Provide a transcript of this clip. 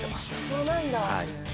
そうなんだ。